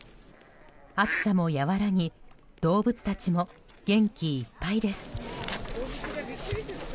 暑さも和らぎ動物たちも元気いっぱいです。